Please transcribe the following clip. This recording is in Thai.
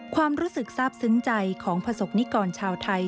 ความรู้สึกทราบซึ้งใจของประสบนิกรชาวไทย